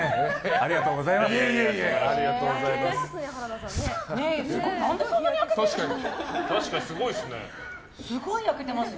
ありがとうございます。